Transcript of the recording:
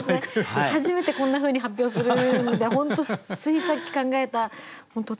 初めてこんなふうに発表するんで本当ついさっき考えた本当